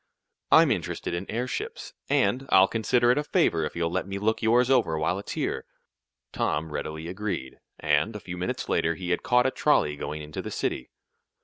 "I'm interested in airships, and, I'll consider it a favor if you'll let me look yours over while it's here." Tom readily agreed, and a few minutes later he had caught a trolley going into the city.